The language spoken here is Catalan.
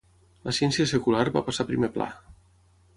La ciència secular va passar a primer pla.